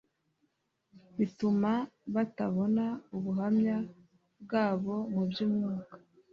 bituma batabona ubuhamya bwabo mu by'umwuka.